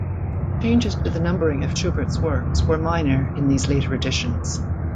Changes to the numbering of Schubert's works were minor in these later editions.